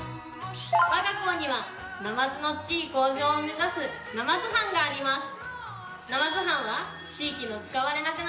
我が校にはナマズの地位向上を目指すナマズ班があります。